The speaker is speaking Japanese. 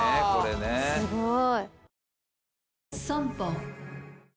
すごい。